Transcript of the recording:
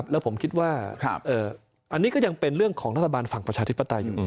แล้วผมคิดว่าอันนี้ก็ยังเป็นเรื่องของระทบาทธิศปฏญาชีวิต